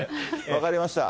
分かりました。